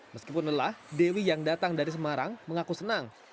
meskipun lelah dewi yang datang dari semarang mengaku senang